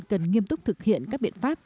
cần nghiêm túc thực hiện các biện pháp